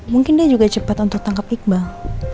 mungkin dia juga cepat untuk tangkap iqbal